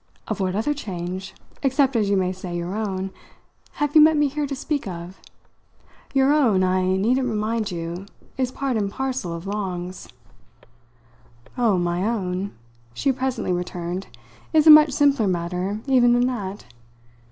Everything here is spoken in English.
"Of what other change except, as you may say, your own have you met me here to speak of? Your own, I needn't remind you, is part and parcel of Long's." "Oh, my own," she presently returned, "is a much simpler matter even than that.